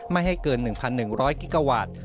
ไม่ให้เกิน๑๑๐๐กิกาวัตต์